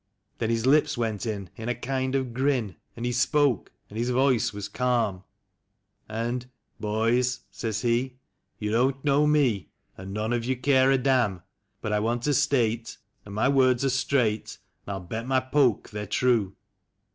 Then his lips went in in a kind of grin, and he spoke, and his voice was calm ; And, " Boys," sa3's he, " 3'ou don't know me, and none of you care a damn; But I want to state, and my words are straight, and I'll bet my poke they're true.